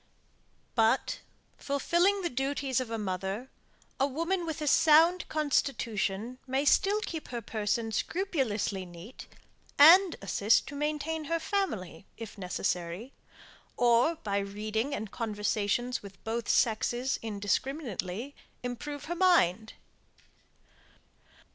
But, fulfilling the duties of a mother, a woman with a sound constitution, may still keep her person scrupulously neat, and assist to maintain her family, if necessary, or by reading and conversations with both sexes, indiscriminately, improve her mind.